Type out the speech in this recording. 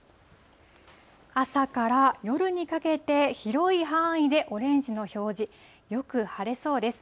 朝から夜にかけて、広い範囲でオレンジの表示、よく晴れそうです。